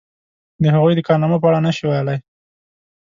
د هغوی د کارنامو په اړه نشي ویلای.